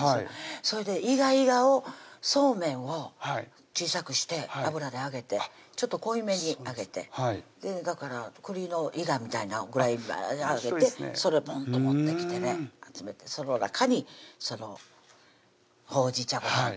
それでいがいがをそうめんを小さくして油で揚げてちょっと濃いめに揚げてだからくりのいがみたいなぐらいに揚げてそれをポンと持ってきてねその中にほうじ茶ごはん